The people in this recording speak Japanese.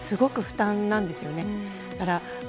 すごく負担なんですよね。